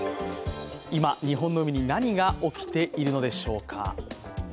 今、日本の海に何が起きているのでしょうか。